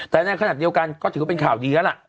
แต่ในขณะเดียวกันก็ถือว่าเป็นข่าวดีแล้วล่ะ